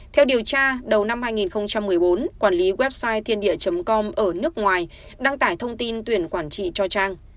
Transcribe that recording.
theo điều tra đầu năm hai nghìn một mươi bốn quản lý website thiên địa com ở nước ngoài đăng tải thông tin tuyển quản trị cho trang